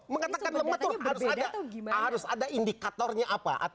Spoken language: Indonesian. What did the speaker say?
mengatakan lemah itu kan harus ada indikatornya apa